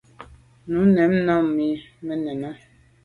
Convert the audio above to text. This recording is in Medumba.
Nu mèn nà mi me nène.